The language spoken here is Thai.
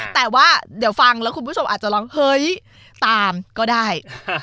แต่ว่าเดี๋ยวฟังแล้วคุณผู้ชมอาจจะร้องเฮ้ยตามก็ได้